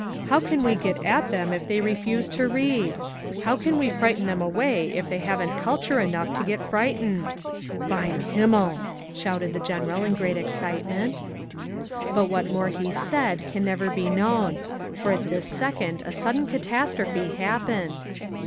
How can we get at them if they refuse to read? How can we frighten them away if they haven't culture enough to get frightened. Beim Himmel," shouted the General in great excitement But what more he said can never be known. For at this second a sudden catastrophe happened.